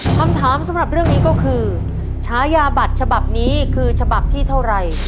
คำถามสำหรับเรื่องนี้ก็คือฉายาบัตรฉบับนี้คือฉบับที่เท่าไหร่